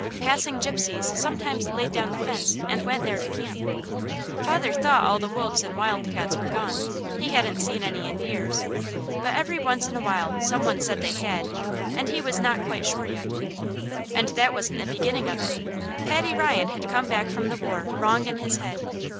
Passing Gypsies sometimes laid down the fence and went there to camp. Father thought all the wolves and wildcats were gone, he hadn't seen any in years, but every once in a while some one said they had, and he was not quite sure yet. And that wasn't the beginning of it. Paddy Ryan had come back from the war wrong in his head.